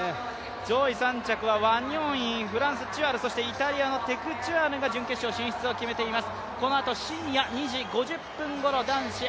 上位３着はワニョンイ、フランス、チュアルそしてイタリアのテクチュアヌが準決勝進出を決めています。